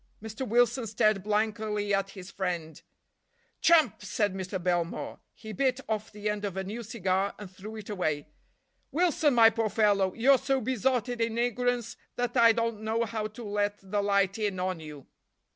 Mr. Wilson stared blankly at his friend. "Chump!" said Mr. Belmore. He bit off the end of a new cigar and threw it away. "Wilson, my poor fellow, you're so besotted in ignorance that I don't know how to let the light in on you.